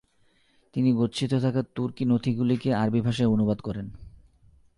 তিনি গচ্ছিত থাকা তুর্কি নথিগুলিকে আরবি ভাষায় অনুবাদ করেন।